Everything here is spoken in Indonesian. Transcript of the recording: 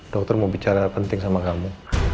dokter mau bicara penting sama kamu